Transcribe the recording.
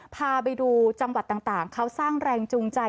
พาไปดูจังหวัดต่างเขาสร้างแรงจูงใจ